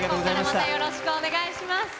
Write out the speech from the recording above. またよろしくお願いします。